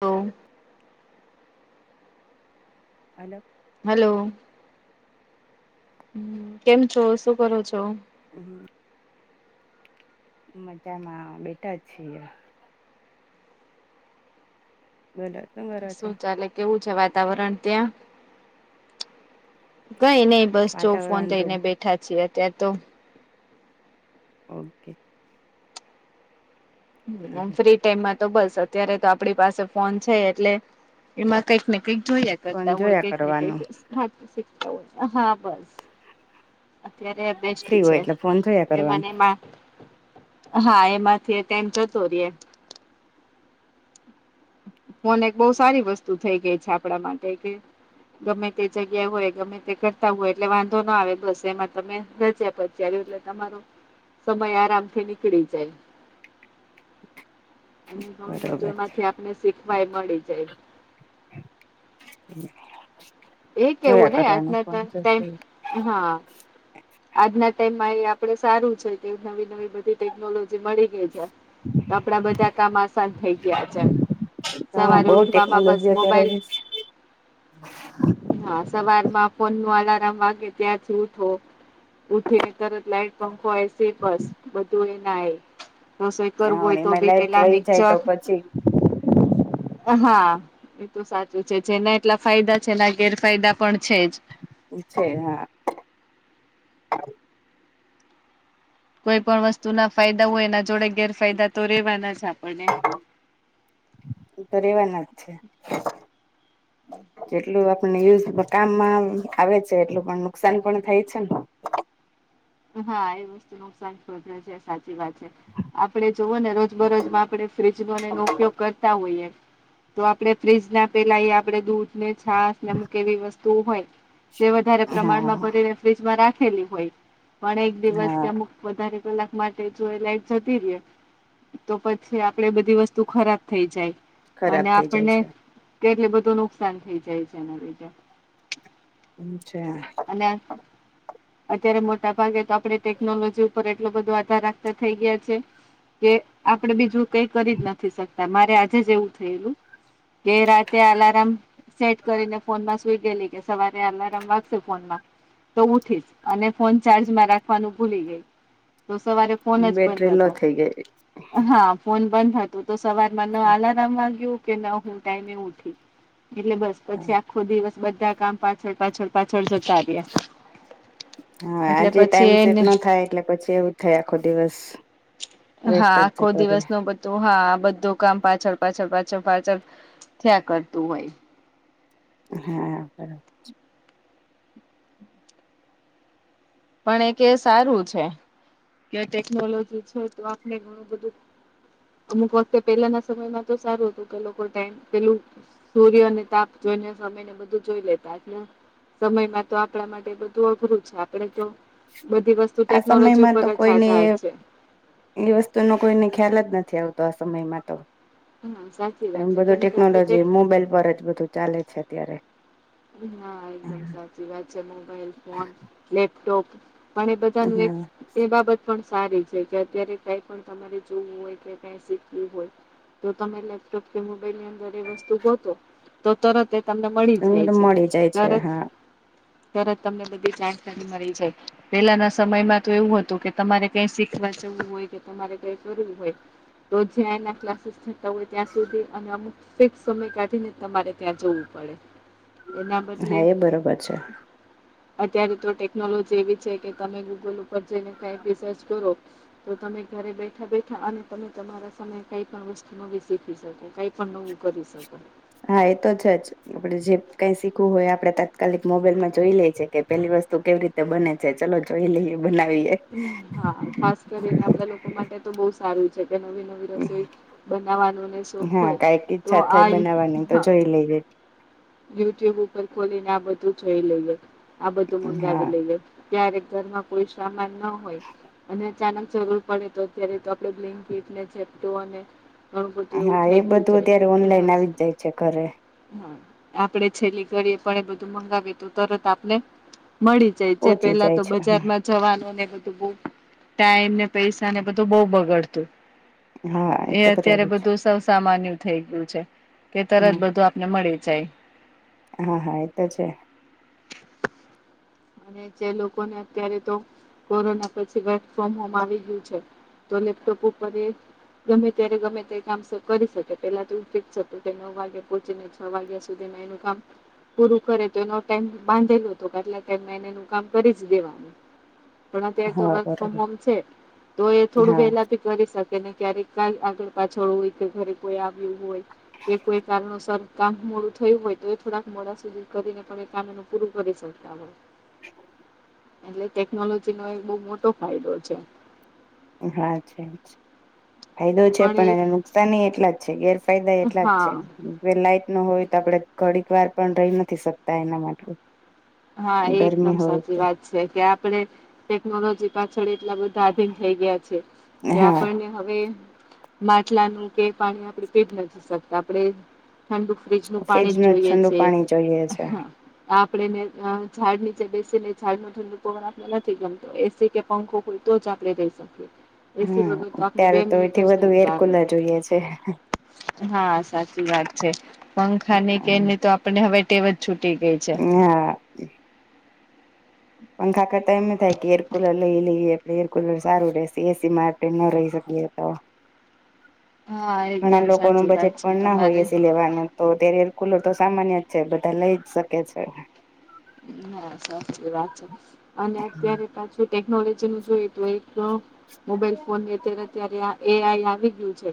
હોવ. અલગ. હાલો કેમ છો શું કરો છો? હમ મજામાં બેટા છીએ બોલો. કરો છો શું ચાલે કેવું છે, વાતાવરણ ત્યાં કઈ નય બસ જોવ ફોન વાતાવરણ તો લઈને બેઠા છીએ અત્યારે તો. ઓકે. [unintelligible] ટ્રેનમાં તો બસ અત્યારે તો આપણી પાસે ફોન છે એટલે એમાં કંઈક ને કંઈક જોઈએ. ફોન કરતા હોય જોયા કઈક ને કઈક કરવાનું ખાતા હોય હા બસ. અત્યારે ફ્રી બેસ્ટી હોય છે એટલે ફોન જોયા એમા ને કરવાનું એમા. હા એમાંથી એ ટાઈમ જતો રેય. ફોન એક બહું સારી વસ્તુ થઈ ગઈ છે આપણા માટે કે ગમે તે જગ્યા હોય ગમે તે કરતા હોય એટલે વાંધો ના આવે બસ એમાં તમે રજ્યા પછી ચેલીયું એટલે તમારો સમય આરામથી નીકળી જાય. અને ઘણું બધું બરોબર એમાંથી આપને શીખવાય મળી જાય. [inaudible] એ કેવું જોયા ને કરવાનું આટલા ફોન ટાઈમ તો ટાઈમ હા. આજના ટાઈમમાં એ આપડે સારું છે કે નવી-નવી બધી ટેકનોલોજી મળી થઇ જાય તો આપણા બધા કામ આસાન થઇ ગયા છે. હા સવારે બહુ ઉઠવામાં બસ ટેકનોલોજી મોબાઈલ અત્યારે હા સવારમાં ફોનનું અલારમ વાગે, ત્યાંથી ઉઠો ઉઠી ને તરત લાઈટ, પંખો, એશી બસ બધું એ ના એ. રસોઈ કરવું હા હોય તો એમાં ભી લાઈટ પેલા વહી જાય તો મિક્ચર પછી હા એ તો સાચું છે જેના એટલા ફાયદા છે. એના ગેરફાયદા પણ છે જ. છે હા. કોઈ પણ વસ્તુના ફાયદા હોય એના જોડે ગેરફાયદા તો રેવાના જ આપણને. તો રેવાના જ છે જેટલું વાર કોઈને યુઝ કામમાં આવે છે એટલું પણ નુકસાન પણ થાય છે ને. હા એ વસ્તુ નુકસાન શોધે છે. સાચી વાત છે. આપડે જોવો ને રોજ બરોજમાં આપણે ફ્ર્રીજનો એનો ઉપયોગ કરતા હોઈએ. તો આપણે ફ્રીજના પેલા આપડે દૂધ ને છાસ ને અમુક એવી વસ્તુ હોય તે વધારે પ્રમાણમાં હા ભરીને ફ્રીજમાં રાખેલી હોય. પણ એક દિવસ કે હા અમુક વધારે કલાક માટે જો એ લાઈટ જતી રેય. તો પછી આપડે બધી વસ્તુ ખરાબ થઈ જાય. ખરાબ અને થઈ જાય આપણને છે કેટલી બધું નુકસાન થઇ જાય છે એના લીધે. અચ્છા. અને અત અત્યારે મટ મોટા ભાગે તો આપડે ટેકનોલોજી ઉપર એટલો બધો આધાર રાખતા થઇ ગયા છે. કે આપડે બીજું કઈ કરી જ નથી શકતા મારે આજે જે એવું થયેલું. કે રાતે અલાર્મ સેટ કરીને ફોનમાં જ સુઈ ગયેલી કે સવારે આલારમ વાગશે ફોનમાં તો ઉઠીશ અને ફોન ચાર્જમાં રાખવાનું ભૂલી ગઈ તો સવારે ફોન જ બંધ બેટરી લો હતો, થઈ ગઈ હા. ફોન બંધ હતું તો સવારમાં ન આલાર્મ વાગ્યું કે ન હું ટાઈમે ઉઠી. એટલે બસ પછી આખો દિવસ બધા કામ પાછળ પાછળ-પાછળ જતા રહ્યા. હા એટલે આજે પછી ટાઈમ સેટ એને ના થાય એટલે પછી એવું જ થાય આખો દિવસ. વેસ્ટ જ જતો રે. તો હા આ બધું કામ પાછળ પાછળ પાછળ પાછળ થ્યાં કરતું હોય. હા બરાબર પણ એક એ સારું છે કે ટેકનોલોજી છે તો આપણે ઘણું બધું અમુક વખતે પેલાના સમયમાં તો સારું હતું કે લોકો ટાઈમ પેલું સૂર્ય અને તાપ જોઈને સમય ને બધું જોઈ લેતા એટલે સમયમાં તો આપણા માટે બધું અઘરું છે આપડે તો બધી વસ્તુ આ ટેકનોલોજી સમયમાં ઉપર તો જ કોઈને આધાર છે. એ વસ્તુનો કોઈને ખ્યાલ જ નથી આવતો આ સમયમાં તો. હા સાચી એમ વાત છે બધું કેમ કે આપણે ટેક ટેકનોલોજી મોબાઈલ પર જ બધું ચાલે છે અત્યારે એકદમ સાચીવાત છે મોબાઈલ ફોન, લેપટોપ પણ એ બધાનું એક હમ એ બાબત પણ સારી છે કે અત્યારે કઈ પણ તમારે જોવું હોય કે ક શીખવુ હોય તો તમે લેપટોપ કે મોબાઈલની અંદર એ વસ્તુ ગોતો તો તરત એ તમને મળી જાય એમ છે. મળી જાય છે, તરત હા તરત તમને બધી જાણકારી મળી જાય. પેલાના સમયમાં તો એવું હતું કે તમારે કઈ શીખવા જવું હોય કે તમારે કઈ કરવું હોય રોજ એના ક્લાસિસ તો ત્યાં સુધી અને અમુક ફિક્સ સમય કાઢીને તમારે ત્યાં જવું પડે. એના બદલે હા એ બરોબર છે અત્યારે તો ટેકનોલોજી એવી છે કે તમે ગૂગલ ઉપર જઈને કઈ બી સર્ચ કરો તો તમે ઘરે બેઠા બેઠા અને તમે તમારા સામે કઈ પણ વસ્તુ નવી શીખી શકો, કઈ પણ નવું કરી શકો. હા એ તો છે જ. આપડે જે કઈ શીખવું હોય આપડે તાત્કાલિક મોબાઈલ માં જોઈ લે છે કે પેલી વસ્તુ કેવી રીતે તે બને છે ચલો જોઈ લઈએ બનાવીએ. હમ્મ હા ખાસ કરીને આપડા લોકો માટે તો બહુ સારું કે નવી નવી રસોઈ બનાવવાનો શોખ હા હોય તો આ એ લઈ જઈ યુટ્યુબ ઉપર ખોલીને આ બધું જોઈ લઈએ આ બધું હા મંગાવી લઈએ. ક્યારેક ઘરમાં કોઈ સામાન ન હોય અને અચાનક જરૂર પડે તો અત્યારે તો આપણે બ્લિંકિટ અને ઘણું બધું એવું હા થઈ એ ગયું બધું છે અત્યારે કે ઓનલાઈન બસ આવી જ જાય છે ઘરે હા આપડે છેલ્લી ઘડીએ પણ એ બધું મંગાવીએ તો તરત આપને મળી જ જે પોહોંચી પેલા જાય તો છે બજારમાં જવાનું ને બધું બહુ ટાઈમ ને પૈસા ને બધું બહુ બગડતું. હા એ તો અત્યારે બરાબર છે બધું સૌ સામાન્ય થઈ ગયું છે કે તરત હમ બધું ને મળે જાય. હા હા એ તો છે. અને જે લોકોને અત્યારે તો કોરોના પછી વર્ક ફ્રોમ હોમ આવી ગયું છે. તો લેપટોપ ઉપર એક ગમે ત્યારે ગમે તે કામ કરી શકે પેલા તો એવુ ફિક્સ કે નવ વાગે પહોંચીને છ વાગ્યા સુધી એનું કામ પૂરું કરે તો એનો ટાઈમ બાંધેલો હતો એટલે એ એનેનું કામ કરી જ દેવાનું. પણ અત્યારે તો હા વર્ક ફ્રોમ બરાબર હોમ છે તો એ થોડું હા વહેલા કરી શકે ને ક્યારેક કઈ આગળ પાછળ હોય કે ઘરે કોઈ આવ્યું હોય એ કોઈ કારણ સર કામ મોડું થયું હોય તો એ થોડાક મોડા સુધી કરીને પણ એ કામ પૂરું કરી શકતા [inaudible] એટલે ટેકનોલોજી નો એક બઉ મોટો ફાયદો છે. હા છે જ ફાયદો છે પણ એને નુકસાની એટલા જ છે કે ફાયદા એટલા જ હા છે લાઈટ નો હોય તો આપડે ઘોડીક વાર પણ રહી નથી શકતા એના માટે. હા એકદમ ગરમી હોય સાચી તો વાત છે કે આપડે ટેકનોલોજી પાછળ એટલા બધા આધીન થઈ ગયા છે કે હા આપણને હવે માટલાનું કે પાણી આપડે કે પી જ નથી શકતા આપણેે ઠંડુ ફ્રીજ નું પાણી જ ન જોઈએ ઠંડુ છે પાણી જોઈએ છે આપણેે ઝાડ નીચે બેસીને ઝાડ નું ઠંડુ પવન આપે નથી ગમતો એસી કે પંખો હોય તો જ આપણેે રહીશ એસી વગર હમ તો આપને બે ત્યારે મિનિટ એથી જ વધુ નહી એર ચાલે. કુલર જોઈએ છે હા સાચી વાત છે પંખા ની કેની તો આપડને હવે ટેવાજ હા. પંખા કરતા એમના થાય કે એરકુલર લઈ લઈએ. એરકુલર સારું રહેશે એસી માટે ની રહી શકીએ તો. હા ઘણા એકદમ લોકો નું સાચી વાત બજેટ છે પણ ના હોય તમારે એ સિ લેવાનું. તો ત્યારે એર કુલર તો સામાન્ય જ છે બધા લઈ જ શકે છે. હા સાચી વાત છે અને અત્યારે પાછું ટેકનોલોજી નું જોય તો એ તો મોબાઈલ ફોન એ અત્યારે ત્યારે આ એ આઈ આવી ગયું છે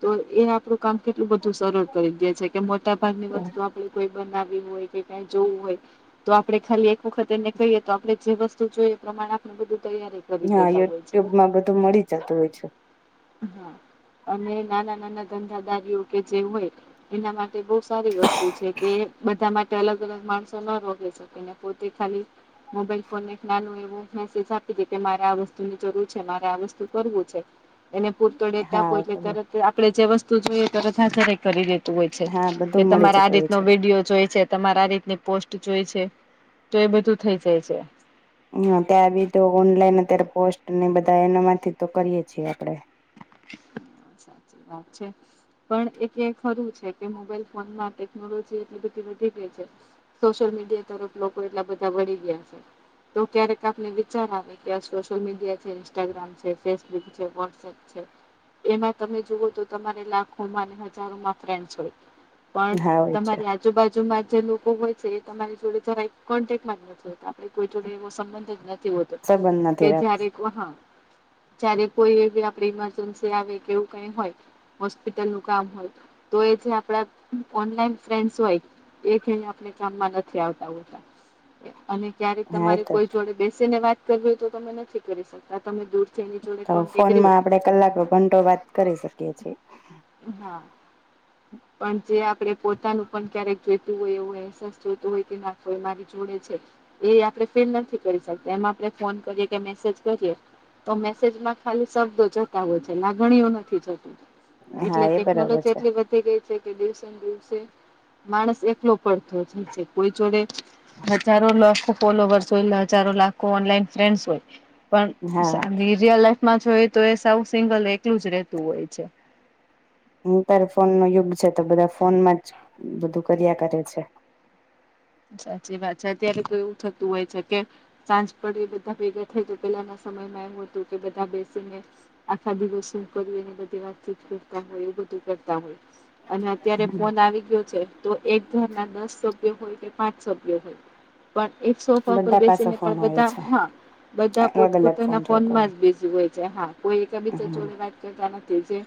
તો એ આપણું કામ કેટલું બધું સરળ કરી દે છે કે મોટાભાગની વસ્તુ આપણે કોઈ બનાવવી હોય કે કઈ જોવું હોય તો તો આપડણે ખાલી એક વખત એને કહીએ તો આપણેે જે વસ્તુ જોઈએ એ પ્રમાણે આપણે બધું તૈયારી કરી હા દેતા હોય છે. યુટ્યુબ માં બધું મળી જતું હોય છે. હા અને નાના નાના ધંધાદારીઓ કે જેવું હોય એના માટે બહુ સારી વસ્તુ છે કે બધા માટ ટે અલગ અલગ માણસો ન રોકી શકે ને પોતે ખાલી મોબાઈલ ફોનને એક નાનું એવું મેસેજ આપી દે કે મારે આ વસ્તુની જરૂર છે મારે આ વસ્તુ કરવું છે. એને પુરતોડે ત્યાં કોઈને હા તરત આપડે જે વસ્તુ જોઈએ તરત હજરે કરી દે. તું હોય છે હા કે બધું મળી તમારે જતું આ હોય રીતનો છે વિડીયો જોય છે તમારે આ રીતની પોસ્ટ જોય છે તો એ બધું થઇ જાય છે. હા ત્યાં બી તો ઓનલાઈન અત્યારે પોસ્ટ ને બધા એના માંથી તો કરીએે છીએ આપડે. સાચી વાત છે. પણ એક એ ખરું છે કે મોબાઈલ ફોનમાં ટેકનોલોજી એટલી બધી વધી ગઈ છે. સોશિયલ મીડિયા તરફ લોકો એટલા બધા વળી ગયા છે. તો ક્યારેક આપને વિચારવાની કે આ સોશિયલ મીડિયા છે ઇન્સ્ટાગ્રામ છે ફેસબુક છે વૉટ્સએપ છે. એમાં તમે જુઓ તો તમારે લાખોમાં અને હજારોમાં ફ્રેન્ડ્સ હોય. પણ હા હોય છે તમારી આજુબાજુમાં જે લોકો હોય છે એ તમારી જોડે જરા એ કોન્ટેકમાં ના છે કે આપડે કોઈ જોડે એવો સંબંધ જ નથી હોત તે સંબંધ કે નથી જયારે રાખતી કો હા જય્યારે કોઈ એવી આપડી મા [unintelligible] આવે કે એવું કઈ હોય. હોસ્પિટલ નું કામ હોય તો એ જે આપડા ઓનલાઈન ફ્રેન્ડ્સ હોય એ કઈ આપણે કામમાં નથી આવતા હોતા. અને ક્યારેક હા એ તમારે તો કોઈ જોડે બેસી ને વાત કરવી હોય તો તમે નથી કરી શકતા તમે દૂર તો ફોનમાં આપણેે કલાકો ઘંટો વાત કરી શકીએ છીએ. હા. પણ જે આપણે પોતાનું પણ ક્યારેક જોઈતું હોય એવો અહેસાસ જોતો હોય કે નાખ હોય મારી જોડે છે. એ આપડે ફિલ નથી કરી શકતા એમાં આપણે ફોન કરીએ કે મેસેજ કરીએ તો મેસેજમાં ખાલી શબ્દો જતા હોય છે લાગણીયું નથી જતું. હા એટલે એ બરાબર ટેકનોલોજી છે એટલી વધી વધી ગઈ છે કે દિવસે ને દિવસે માણસ એકલો પડતો થઈ છે કોઈ જોડે હજારો લાખો ફોલોવર્સ હોય હજારો લાખો ઓનલાઈન ફ્રેન્ડસ હોય. હા પણ રીયલ લાઈફમાં જોયએ તો એ સા સિંગલ એલું જ રેતું હોય છે. ઇન્ટર ફોન નું યુગ છે તો બધા ફોન માં જ બધું કર્યા કરે છે. સાચી વાત છે અત્યારે કોઈ એવું થતું હોય છે કે સાંજ પડે બધા ભેગા થઈ તો પેલાના સમયમાં એમ હતું કે બધા બેસીને આખા દિવસ શું કર્યું એને બધી વાતચીત કરતા હોય એવું બધું કરતા હોય. અને અત્યારે ફોન આવી ગયો છે તો એક ઘર ના દસ સભ્યો હોય કે પાંચ સભ્ય હોય પણ એક સોફા પર બધા પાસે બેસીને ફોન પણ હોય બધા છે હા બધા અલગ અલગ પોતપોતાના ફોન જોતો ફોનમાં જ બીઝી હોય છે હા કોઈ એક બીજા જોડે વાત કહેતા નથી જે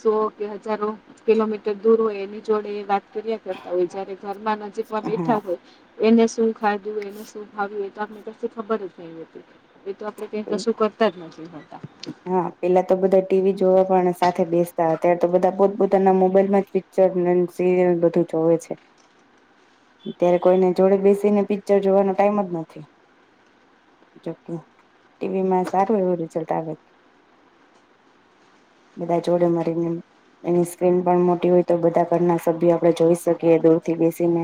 સો કે હજારો કિલોમીટર દૂર હોય એની જોડે વાત કર્યા કરતા હોય જયારે ઘરમાં નજીક માં બે હા હોય એને શું ખાધું એને શું ખાવ્યું એ તો આપને [unintelligible] ખબર જ નઈ હોતી. એ તો આપડે ક્યાંય કશું કરતા જ નથી હોતા. હા પેલા તો બધા ટીવી જોવા પણ સાથે બેસતા હતા અત્યારે તો બધા પોતપોતાના મોબાઈલ માં સીરયલ બધું જોવે છે. [inaudible] ત્યારે કોઈને જોડે બેસીને પિક્ચર જોવાનો ટાઈમ જ નથી. જોકે ટીવી માં સારું એવું રિઝલ્ટ આવે બંધા જોડે મળીને એની સ્ક્રીન પણ મોટી હોય તો બધા ઘરના સભ્ય આપડે જોઈ શકીએ દૂર થી બેસીને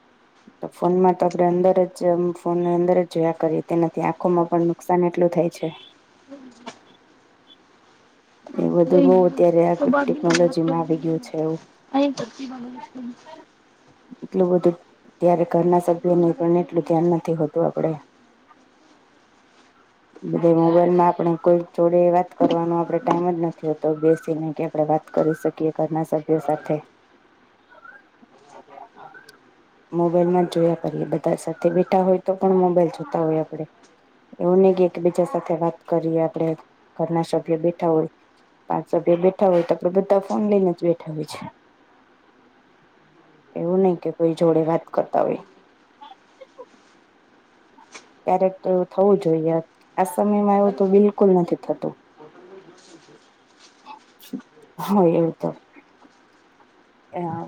[inaudible] તો ફોનમાં તો આપણે અંદર જ ફોનને અંદર જ જોયા કરીએ તેનાથી આંખોમાં પણ નુકસાન એટલું થાય છે. હમ. એ બધું બહુ અત્યારે આ [inaudible] અહીં ટેકનોલોજીમાં આવી ગયું છે એવું [unintelligible] એટલું બધું ત્યારે ઘરના સભ્યની પણ એટલું ધ્યાન નથી હોતું. તો આપણે બધે મોબાઈલમાં આપણે કોઈ જોડે વાત કરવાનો આપણે ટાઈમ જ નથી હોતો બેસીને કે આપણે વાત કરી શકીએ ઘરના શ સભ્યો સાથે. [inaudible] મોબાઈલ માં જ જોયા કરીએ બધા સાથે બેઠા હોય તો પણ મોબાઈલ જોતા હોય આપણે એવું નહી કે એકબીજા સાથે વાત કરીએ આપણે ઘરના સભ્ય બેઠા હોય. પાંચ સભ્ય બેઠા હોય તો આપણે બધા ફોન લઈને જ બેઠા હોય છે. [inaudible] એવું નહી કે કોઈ જોડે વાત કરતા હોય. ક્યારેક એવું થવું જોઈએ આ સમયમાં એવું તો બિલ કુલ નથી થતું હા એવું તો એમાં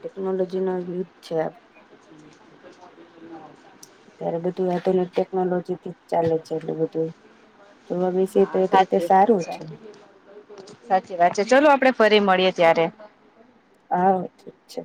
ટેકનોલોજી નો યુગ છે. [inaudible] ત્યારે બધું આધુનિક ટેકનોલોજી થી ચાલે છે એટલું બધું જોવા બેસી હા સાચી વાત સાચી વાત છે ચલો આપણે ફરી મળીય ત્યારે હા ઠીક છે.